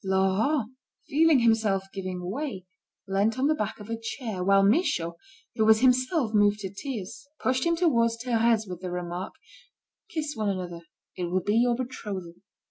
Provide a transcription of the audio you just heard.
Laurent, feeling himself giving way, leant on the back of a chair, while Michaud, who was himself moved to tears, pushed him towards Thérèse with the remark: "Kiss one another. It will be your betrothal."